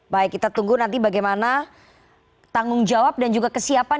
baik kita tunggu nanti bagaimana tanggung jawab dan juga kesiapan